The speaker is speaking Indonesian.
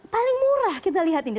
paling murah kita lihat ini